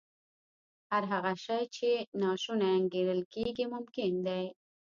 هر هغه شی چې ناشونی انګېرل کېږي ممکن دی